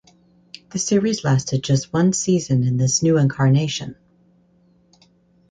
The series lasted just one season in this new incarnation.